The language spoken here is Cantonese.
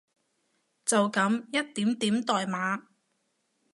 就噉一點點代碼